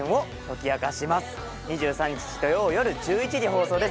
２３日土曜よる１１時放送です。